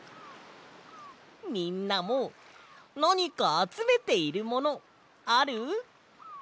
みんなもなにかあつめているものある？